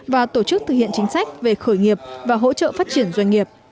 và tổ chức thực hiện chính sách về khởi nghiệp và hỗ trợ phát triển doanh nghiệp